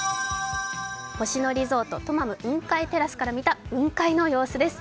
星野リゾートトマム雲海テラスから見た雲海の様子です。